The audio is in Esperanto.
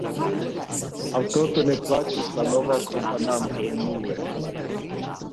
Al Toto ne plaĉis la nova akompananto, unue.